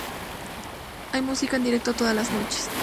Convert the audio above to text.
Hay música en directo todas las noches.